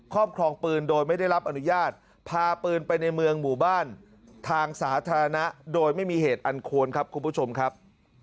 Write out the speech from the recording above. ครอบครองปืนโดยไม่ได้รับอนุญาตพาปืนไปในเมืองหมู่บ้านทางสาธารณะโดยไม่มีเหตุอันควรครับคุณผู้ชมครับ